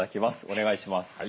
お願いします。